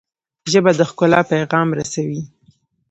ژبه د ښکلا پیغام رسوي